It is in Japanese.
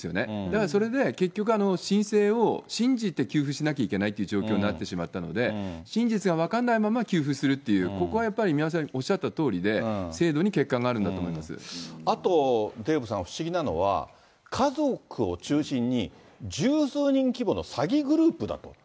だから、それで結局、申請を信じて給付しなきゃいけないという状況になってしまったので、真実が分からないまま、給付するっていう、ここはやっぱり宮根さんおっしゃったとおりで、あとデーブさん、不思議なのは、家族を中心に十数人規模の詐欺グループだと。